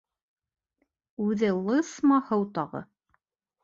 Үҙе лысма һыу тағы.